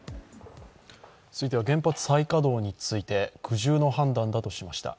続いて、原発再稼働について苦渋の判断だとしました。